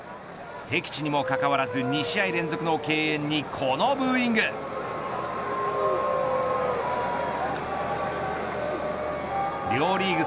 敵地にもかかわらず２試合連続の敬遠にこのブーイング。